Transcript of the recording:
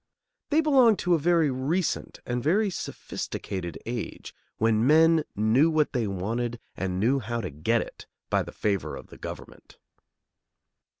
They belong to a very recent and very sophisticated age, when men knew what they wanted and knew how to get it by the favor of the government.